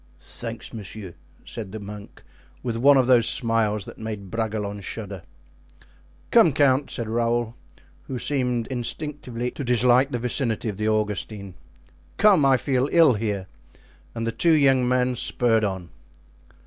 "Thanks, monsieur," said the monk, with one of those smiles that made Bragelonne shudder. "Come, count," said Raoul, who seemed instinctively to dislike the vicinity of the Augustine; "come, I feel ill here," and the two young men spurred on.